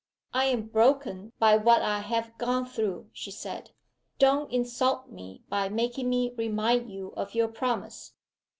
"I am broken by what I have gone through," she said. "Don't insult me by making me remind you of your promise."